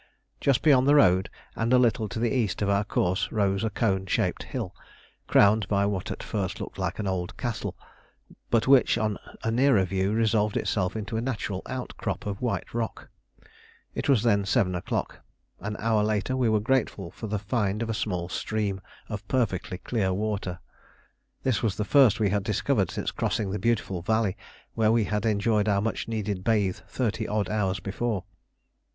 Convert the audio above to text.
Just beyond the road and a little to the east of our course rose a cone shaped hill, crowned by what at first looked like an old castle, but which, on a nearer view, resolved itself into a natural outcrop of white rock. It was then 7 o'clock. An hour later we were grateful for the find of a small stream of perfectly clear water. This was the first we had discovered since crossing the beautiful valley where we had enjoyed our much needed bathe thirty odd hours before.